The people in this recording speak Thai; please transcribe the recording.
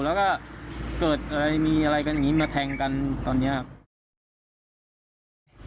แล้วเคยมีอะไรกันมาแทงกันตอนนี้ครับ